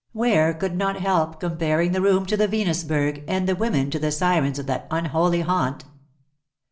Ware could not help comparing the room to the Venusberg, and the women to the sirens of that unholy haunt.